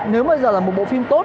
nếu bây giờ là một bộ phim tốt